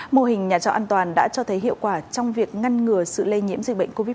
mô hình nhà trọ an toàn đã cho thấy hiệu quả trong việc ngăn ngừa sự lây nhiễm dịch bệnh covid một mươi chín